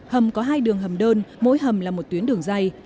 hầm có hai đường hầm đơn mỗi hầm là một tuyến đường dây